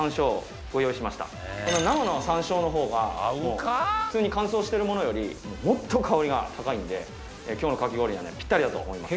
生の山椒のほうが普通に乾燥してるものよりもっと香りが高いんで今日のかき氷にはぴったりだと思います。